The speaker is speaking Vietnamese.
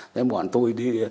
thế bọn tôi đi